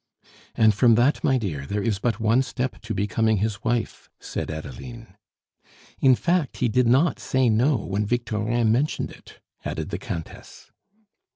"And from that, my dear, there is but one step to becoming his wife!" said Adeline. "In fact, he did not say no when Victorin mentioned it," added the Countess.